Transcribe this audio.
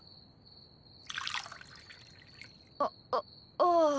あああー。